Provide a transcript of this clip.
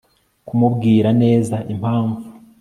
kumubwira neza impamvu